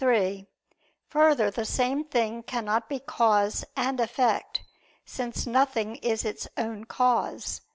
3: Further, the same thing cannot be cause and effect; since nothing is its own cause.